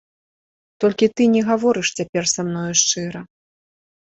Толькі ты не гаворыш цяпер са мною шчыра.